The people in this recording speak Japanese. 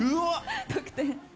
得点。